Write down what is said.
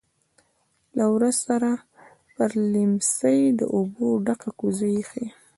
لهٔ ورهٔ سره پر لیمڅي د اوبو ډکه کوزه ایښې.